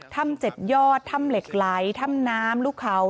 ถ้ำเจ็ดยอดถ้ำเหล็กไหลถ้ำน้ำลูกเขา